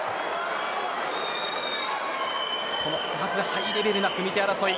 ハイレベルな組み手争い。